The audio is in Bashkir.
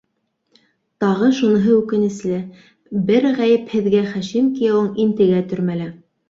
Тағы шуныһы үкенесле: бер ғәйепһеҙгә Хашим кейәүең интегә төрмәлә.